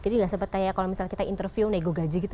jadi gak sempat kayak kalau misalnya kita interview nego gaji gitu